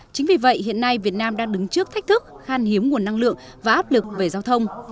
chính vì vậy hiện nay việt nam đang đứng trước thách thức khan hiếm nguồn năng lượng và áp lực về giao thông